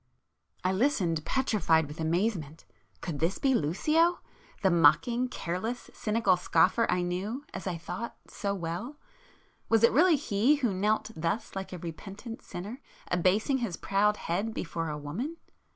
I listened, petrified with amazement. Could this be Lucio?—the mocking, careless, cynical scoffer I knew, as I thought, so well?—was it really he who knelt thus like a repentant sinner, abasing his proud head before a woman?